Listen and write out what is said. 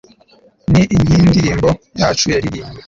ni nkindirimbo yacu yaririmbwe